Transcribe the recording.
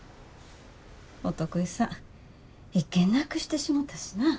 お得意さん１件なくしてしもたしな。